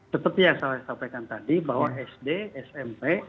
seperti yang saya sampaikan tadi bahwa sd smp